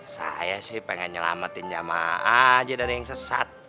saya sih pengen nyelamatin jamaah aja dari yang sesat